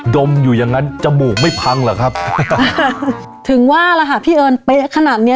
ดมอยู่อย่างงั้นจมูกไม่พังเหรอครับถึงว่าล่ะค่ะพี่เอิญเป๊ะขนาดเนี้ย